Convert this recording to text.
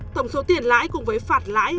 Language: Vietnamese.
tổng số tiền lãi cùng với phạt lãi